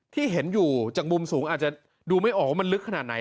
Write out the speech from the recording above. ที่เห็นอยู่จากมุมสูงอาจจะดูไม่ออกว่ามันลึกขนาดไหน